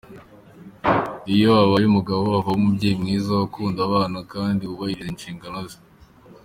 Iyo abaye umugabo, avamo umubyeyi mwiza ukunda abana kandi wubahiriza inshingano ze.